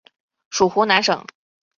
属湖南省。